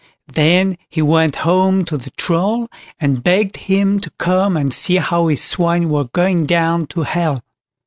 Then he went home to the Troll, and begged him to come and see how his swine were going down to Hell.